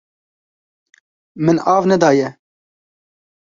Min av nedaye.